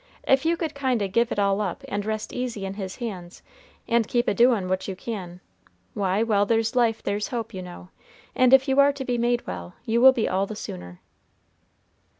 If you could kind o' give it all up and rest easy in His hands, and keep a doin' what you can, why, while there's life there's hope, you know; and if you are to be made well, you will be all the sooner."